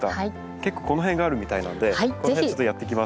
結構この辺があるみたいなんでこの辺ちょっとやっていきます。